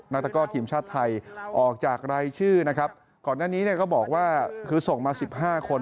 นักตะก้อทีมชาติไทยออกจากรายชื่อนะครับก่อนหน้านี้ก็บอกว่าคือส่งมา๑๕คน